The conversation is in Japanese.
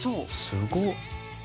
すごっ！